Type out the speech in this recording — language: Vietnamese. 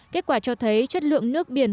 kết quả cho thấy chất lượng nước biển